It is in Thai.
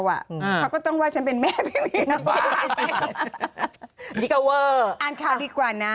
เขาก็ต้องว่าฉันเป็นแม่พี่เหว๋